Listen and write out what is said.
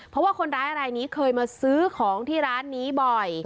เพราะว่าคนร้ายรายนี้เคยมาซื้อของที่ร้านนี้บ่อย